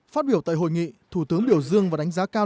phát biểu tại hội nghị thủ tướng biểu dương và đánh giá cao